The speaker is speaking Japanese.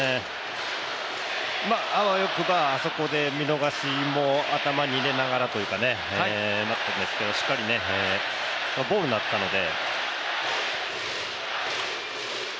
あわよくば、あそこで見逃しも頭に入れながらということですがしっかりねボールだったので。